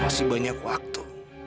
masih banyak waktu